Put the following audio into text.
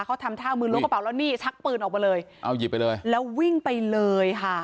เขาทำท่ามือล้วงกระเป๋าแล้วนี่ชักปืนออกมาเลยเอาหยิบไปเลยแล้ววิ่งไปเลยค่ะ